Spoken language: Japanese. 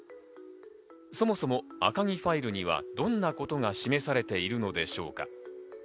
そもそも赤木ファイルにはどんなことが示されているのでしょうか。